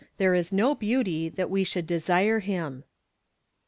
"THERE IS NO BEAUTY, THAT WE SHOULD DESIRE HLM."